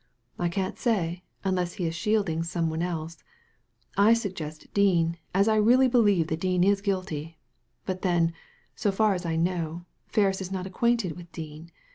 * I can't say ; unless he is shielding some one. I suggest Dean, as I really believe that Dean is guilty ; but then— so far as I know — Ferris is not acquainted with Dean.